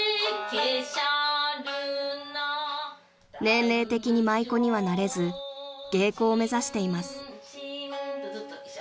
［年齢的に舞妓にはなれず芸妓を目指しています］